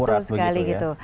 betul sekali gitu